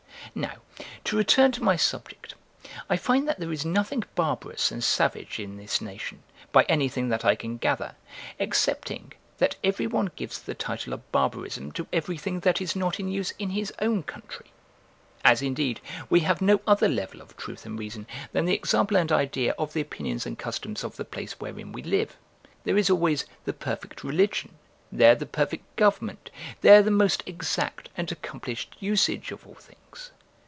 Now, to return to my subject, I find that there is nothing barbarous and savage in this nation, by anything that I can gather, excepting, that every one gives the title of barbarism to everything that is not in use in his own country. As, indeed, we have no other level of truth and reason than the example and idea of the opinions and customs of the place wherein we live: there is always the perfect religion, there the perfect government, there the most exact and accomplished usage of all things.